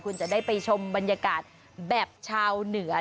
คุณจะได้ไปชมบรรยากาศแบบชาวเหนือ